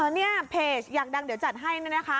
เนี่ยเพจอยากดังเดี๋ยวจัดให้นะคะ